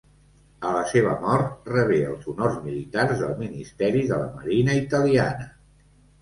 A la seva mort rebé els honors militars del Ministeri de la Marina italiana.